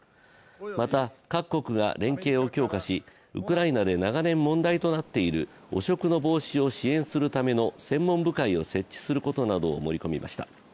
また各国が連携を強化し、ウクライナで長年問題となっている汚職の防止を支援するための専門部会を設置することなどを盛り込みました。